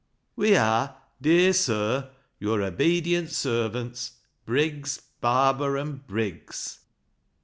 " We are, dear Sir, your obedient servants, " Briggs, Barber, and Briggs."